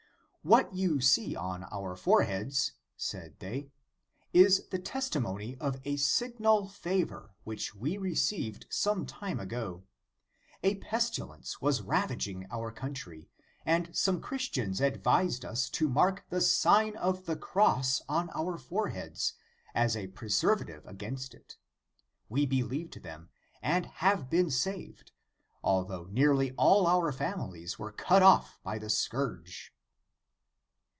"What you see on our foreheads," said they, "is the testimony of a signal favor which we received some time ago. A pestilence was ravaging our country, and some Chris tians advised us to mark the Sign of the Cross on our foreheads, as a preservative against it. We believed them, and have been saved, although nearly all our families were cut off by the scourge."